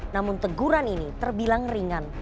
namun teguran ini terbilang ringan